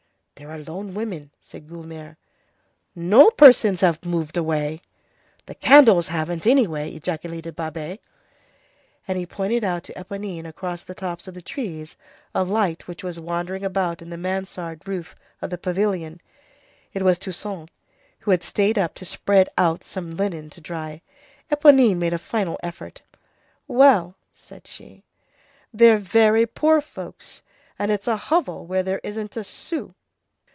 "There are lone women," said Guelemer. "No, the persons have moved away." "The candles haven't, anyway!" ejaculated Babet. And he pointed out to Éponine, across the tops of the trees, a light which was wandering about in the mansard roof of the pavilion. It was Toussaint, who had stayed up to spread out some linen to dry. Éponine made a final effort. "Well," said she, "they're very poor folks, and it's a hovel where there isn't a sou."